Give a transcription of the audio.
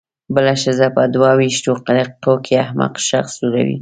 بله ښځه په دوه وېشتو دقیقو کې احمق شخص جوړوي.